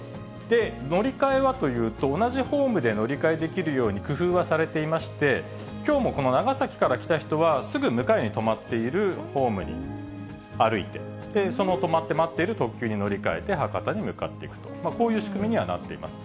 乗り換えはというと、同じホームで乗り換えできるように工夫はされていまして、きょうもこの長崎から来た人は、すぐ向かいに止まっているホームに歩いて、その止まって待っている特急に乗り換えて、博多に向かっていくと、こういう仕組みにはなっています。